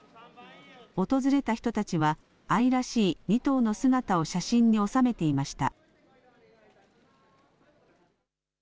訪れた人たちは愛らしい２頭の姿を写真に収めていました。